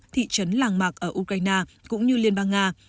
thị trấn làng mạc ở ukraine cũng như liên bang nga